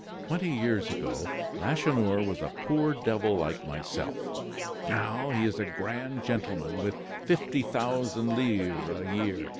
"Twenty years ago, Lacheneur was a poor devil like myself; now, he is a grand gentleman with fifty thousand livres a year.